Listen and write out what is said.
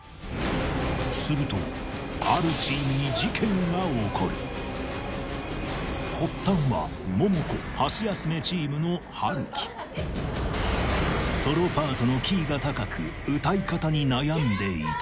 するとあるチームに事件が起こる発端はソロパートのキーが高く歌い方に悩んでいた